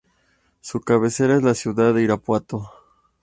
Su cabecera es la ciudad de Irapuato.